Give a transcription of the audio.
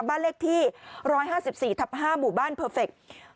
บ้านเลขที่๑๕๔ทับ๕หมู่บ้านเพอร์เฟค